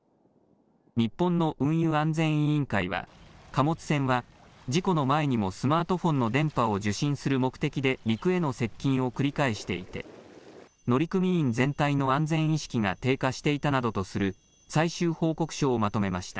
日本の運輸安全委員会は、貨物船は事故の前にもスマートフォンの電波を受信する目的で陸への接近を繰り返していて、乗組員全体の安全意識が低下していたなどとする最終報告書をまとめました。